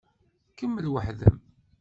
Kemmel weḥd-m.